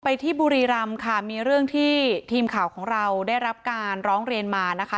ที่บุรีรำค่ะมีเรื่องที่ทีมข่าวของเราได้รับการร้องเรียนมานะคะ